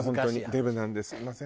デブなんですみません。